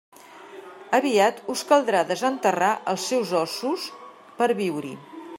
Aviat us caldrà desenterrar els seus ossos per a viure-hi.